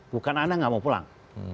bukan anak tidak mau pulang